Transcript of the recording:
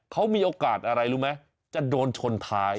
เขามีโอกาสอะไรรู้ไหมจะโดนชนท้าย